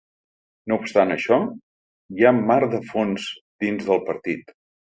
No obstant això, hi ha mar de fons dins del partit.